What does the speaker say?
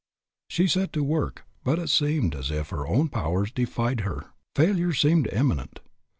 She set to work, but it seemed as if even her own powers defied her. Failure seemed imminent.